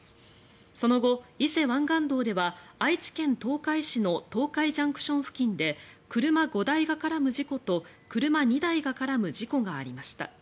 その後、伊勢湾岸道では愛知県東海市の東海ＪＣＴ付近で車５台が絡む事故と車２台が絡む事故がありました。